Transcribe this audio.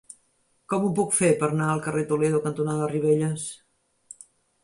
Com ho puc fer per anar al carrer Toledo cantonada Ribelles?